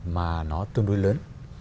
mà nó tương đối lớn